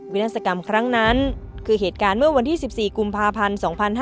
นาศกรรมครั้งนั้นคือเหตุการณ์เมื่อวันที่๑๔กุมภาพันธ์๒๕๕๙